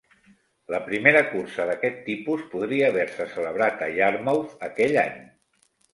La primera cursa d'aquest tipus podria haver-se celebrat a Yarmouth aquell any.